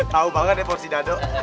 tau banget deh porsi dado